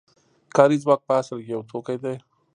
کاري ځواک په اصل کې یو توکی دی